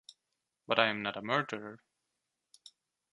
But I am not a murderer.